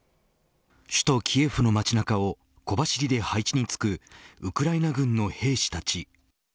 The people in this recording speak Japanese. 首都キエフの街中を小走りで配置につくウクライナ軍の兵士たち。